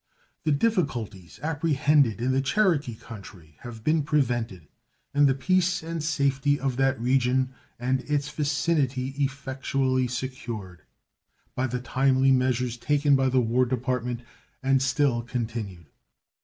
The difficulties apprehended in the Cherokee country have been prevented, and the peace and safety of that region and its vicinity effectually secured, by the timely measures taken by the War Department, and still continued.